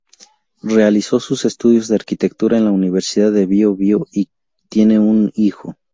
Realizó sus estudios de Arquitectura en la Universidad del Bío-Bío y tiene un hijo.